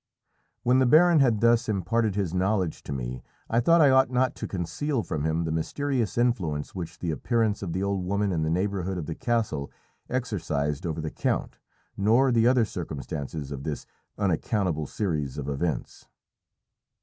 When the baron had thus imparted his knowledge to me, I thought I ought not to conceal from him the mysterious influence which the appearance of the old woman in the neighbourhood of the castle exercised over the count, nor the other circumstances of this unaccountable series of events.